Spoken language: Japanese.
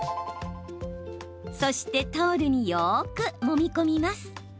そしてタオルによくもみ込みます。